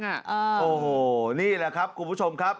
โอ้โหนี่แหละครับคุณผู้ชมครับ